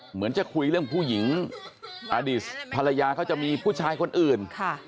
เหมือนจะคุยเรื่องผู้หญิงอดีตภรรยาเขาจะมีผู้ชายคนอื่น